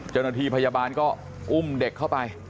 เจ้าหน้าที่พยาบาลก็อุ้มเด็กเข้าไป